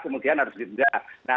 kemudian harus denda